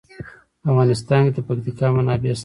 په افغانستان کې د پکتیکا منابع شته.